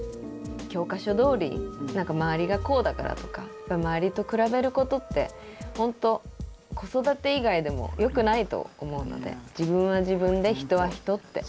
教科書どおり周りがこうだからとか周りと比べることってほんと子育て以外でもよくないと思うので「自分は自分で人は人」って。